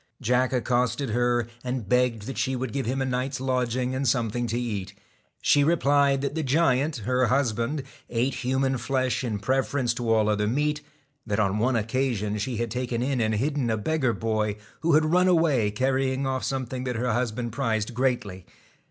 Jack accosted her, and begged that she would five him a night's lodging and something to eat. he replied that the giant, her husband, ate human flesh in preference to all other meat ; that on one occasion she had taken in and hidden a beggar boy, who had run away carrying off something that her husband prized greatly.